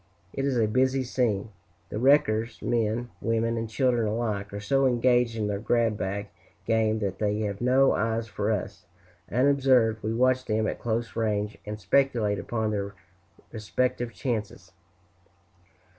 It is a busy scene; the wreckers, men, women, and children alike, are so engaged in their grab bag game that they have no eyes for us; unobserved, we watch them at close range, and speculate upon their respective chances.